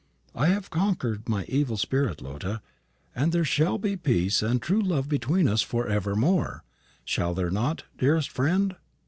"I have conquered my evil spirit, Lotta, and there shall be peace and true love between us for evermore, shall there not, dearest friend?"